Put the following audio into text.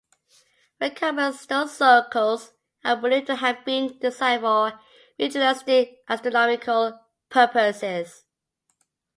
Recumbent stone circles are believed to have been designed for ritualistic astronomical purposes.